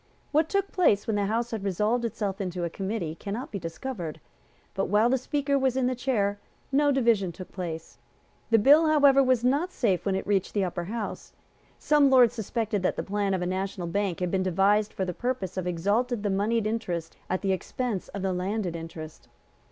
What took place when the House had resolved itself into a committee cannot be discovered; but, while the Speaker was in the chair, no division took place. The bill, however, was not safe when it had reached the Upper House. Some Lords suspected that the plan of a national bank had been devised for the purpose of exalting the moneyed interest at the expense of the landed interest.